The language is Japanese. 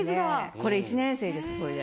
これ１年生ですそれで。